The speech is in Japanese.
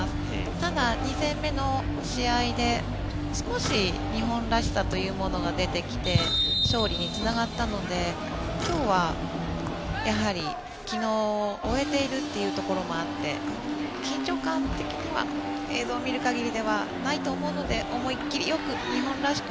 ただ、２戦目の試合で少し日本らしさというものが出てきて勝利につながったので今日はやはり、昨日を終えているというところもあって緊張感的には映像を見る限りではないと思うので思い切りよく日本らしく